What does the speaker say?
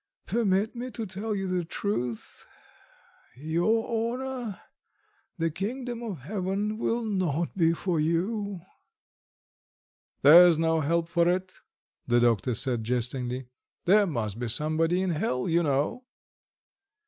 . Permit me to tell you the truth. ... Your honour, the Kingdom of Heaven will not be for you!" "There's no help for it," the doctor said jestingly; "there must be somebody in hell, you know."